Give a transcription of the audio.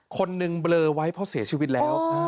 คนหนึ่งเบลอไว้เพราะเสียชีวิตแล้ว